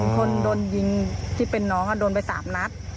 คนโดนยิงที่เป็นน้องโดนไป๓นัด